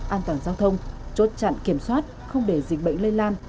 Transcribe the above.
an toàn giao thông chốt chặn kiểm soát không để dịch bệnh lây lan